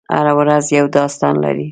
هره ورځ یو داستان لري.